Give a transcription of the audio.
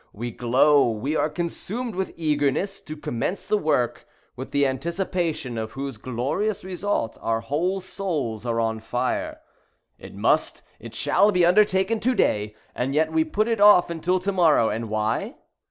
We glow, we are consumed with eagerness to commence the work, with the anticipation of whose glorious result our whole souls are on fire. It must, it shall be undertaken to day, and yet we put it off until to morrow; and why?